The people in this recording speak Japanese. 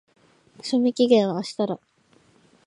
賞味期限は明日だ。